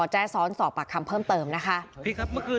แจ้ซ้อนสอบปากคำเพิ่มเติมนะคะพี่ครับเมื่อกี้